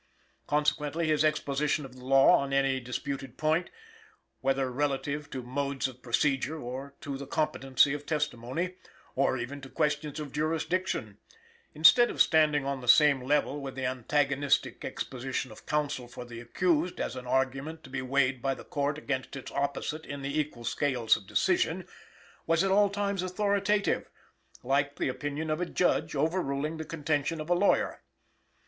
Consequently, his exposition of the law on any disputed point whether relative to modes of procedure, or to the competency of testimony, or even to questions of jurisdiction instead of standing on the same level with the antagonistic exposition of counsel for the accused as an argument to be weighed by the Court against its opposite in the equal scales of decision, was at all times authoritative, like the opinion of a judge overruling the contention of a lawyer.